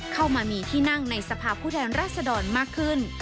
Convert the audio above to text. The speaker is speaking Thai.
เข้ามามีที่นั่งในสภาพผู้แทนรัศดรมากขึ้น